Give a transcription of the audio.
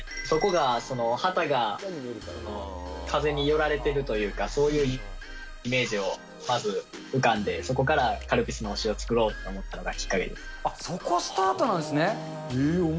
そこが旗が風に揺られてるというか、そういうイメージを、まず浮かんで、そこからカルピスのお城を作ろうと思ったのがきっかけでそこ、スタートなんですね。